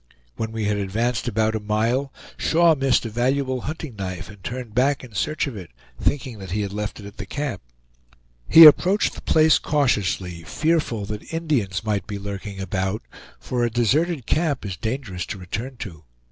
When we had advanced about a mile, Shaw missed a valuable hunting knife and turned back in search of it, thinking that he had left it at the camp. He approached the place cautiously, fearful that Indians might be lurking about, for a deserted camp is dangerous to return to.